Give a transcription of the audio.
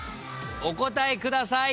お答えください。